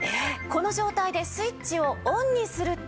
この状態でスイッチをオンにすると？